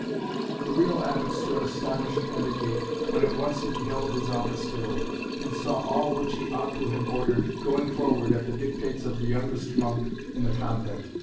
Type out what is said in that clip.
The real Abbot stood astonished and agape, when at once he beheld his office filled, and saw all which he ought to have ordered, going forward at the dictates of the youngest monk in the convent.